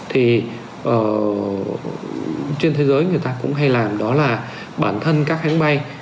thì trên thế giới người ta cũng hay làm đó là bản thân các hãng bay